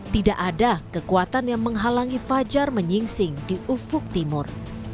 tidak ada kekuatan yang menghalangi fajar menyingsing di ufuk timur